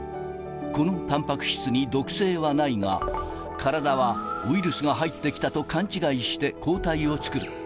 このたんぱく質に毒性はないが、体はウイルスが入ってきたと勘違いして、抗体を作る。